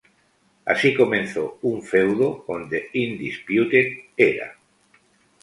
Así comenzó un feudo con The Undisputed Era.